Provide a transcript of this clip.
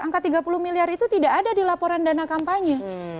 angka tiga puluh miliar itu tidak ada di laporan dana kampanye